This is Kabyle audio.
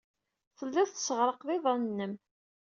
Tellid tesseɣraqed iḍan-nnem.